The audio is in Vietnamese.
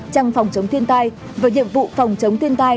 trong phòng chống thiên tai và nhiệm vụ phòng chống thiên tai